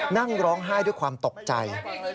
นั่งร้องไห้ด้วยความตกใจ